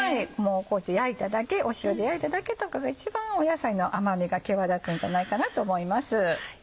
焼いただけ塩で焼いただけとかが一番野菜の甘みが際立つんじゃないかなと思います。